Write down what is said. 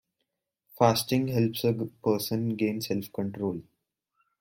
Fasting helps a person gain self-control.